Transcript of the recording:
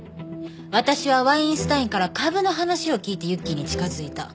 私はワインスタインから株の話を聞いてユッキーに近づいた。